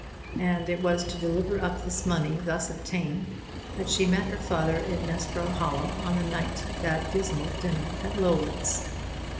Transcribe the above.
And it was to deliver up the money thus obtained that she met her father in Nessborough Hollow on the night of that dismal dinner at Lowlands.